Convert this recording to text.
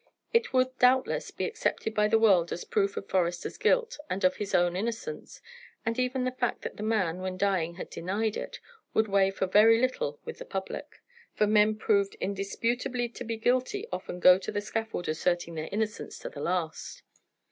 It would, doubtless, be accepted by the world as proof of Forester's guilt and of his own innocence; and even the fact that the man, when dying, had denied it, would weigh for very little with the public, for men proved indisputably to be guilty often go to the scaffold asserting their innocence to the last.